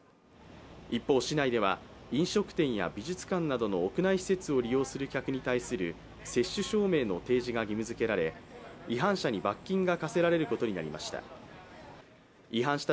一方、市内では飲食店や美術館などの屋内施設を利用する客に対する接種証明の提示が義務づけられ、違反者に罰金が科せられることになりました。